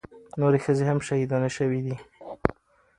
نورې ښځې هم شهيدانې سوې دي.